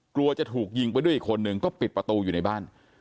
กลัวจะถูกยิงไปด้วยอีกคนนึงก็ปิดประตูอยู่ในบ้าน